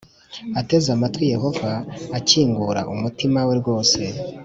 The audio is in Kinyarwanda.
ateze amatwi Yehova akingura umutimai we rwose